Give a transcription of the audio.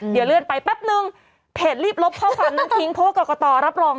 เดี๋ยวเลื่อนไปแป๊บนึงเพจรีบลบข้อความนั้นทิ้งเพราะว่ากรกตรับรอง